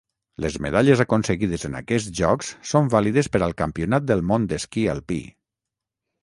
Les medalles aconseguides en aquests Jocs són vàlides per al Campionat del Món d'esquí alpí.